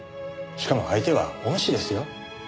しかも相手は恩師ですよ。